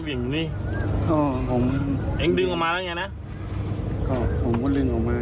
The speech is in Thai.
เหวี่ยงอย่างงี้อ๋อผมเองดึงออกมาแล้วไงนะก็ผมก็ดึงออกมา